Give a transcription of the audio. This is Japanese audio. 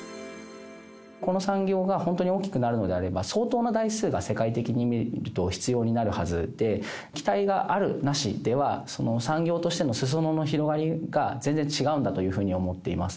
この産業が本当に大きくなるのであれば、相当な台数が世界的に見ると必要になるはずで、機体がある、なしでは、その産業としてのすそ野の広がりが全然違うんだというふうに思っています。